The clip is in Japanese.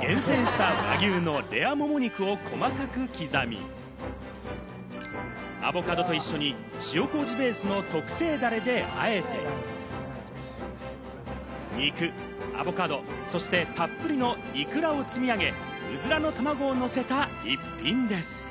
厳選した和牛のレアもも肉を細かく刻み、アボカドと一緒に塩麹ベースの特製ダレであえて、肉、アボカド、そしてたっぷりのいくらを積み上げ、うずらの卵をのせた逸品です。